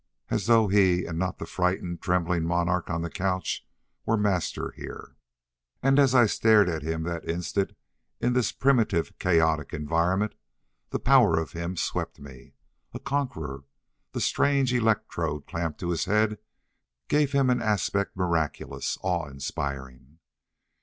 As though he, and not the frightened, trembling monarch on the couch, were master here. And as I stared at him that instant in this primitive chaotic environment, the power of him swept me. A conqueror. The strange electrode clamped to his head gave him an aspect miraculous, awe inspiring.